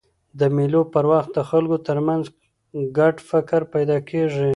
د مېلو پر وخت د خلکو ترمنځ ګډ فکر پیدا کېږي.